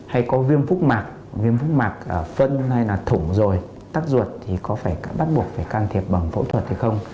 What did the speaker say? hay có viêm phúc mạc viêm phúc mạc phân hay là thủng rồi tắc ruột thì có phải bắt buộc phải can thiệp bằng phẫu thuật hay không